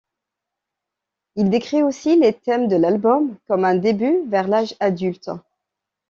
Il décrit aussi les thèmes de l'album comme un début vers l'âge adulte.